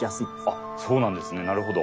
あっそうなんですねなるほど。